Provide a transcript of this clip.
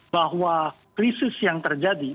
bahwa krisis yang terjadi